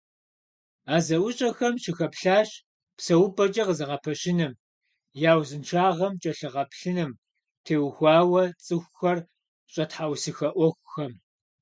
А зэӀущӀэхэм щыхэплъащ псэупӀэкӀэ къызэгъэпэщыным, я узыншагъэм кӀэлъагъэплъыным теухуауэ цӀыхухэр щӀэтхьэусыхэ Ӏуэхухэм.